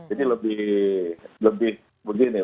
ini lebih begini